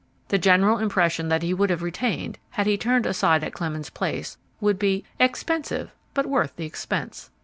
The general impression that he would have retained, had he turned aside at Clemens Place, would be "expensive, but worth the expense."